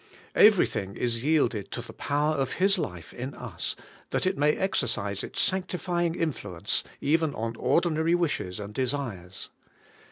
Everything is yielded to the power of His life in us, that it may exercise its sanctifying influence even on ordinary wishes and desires.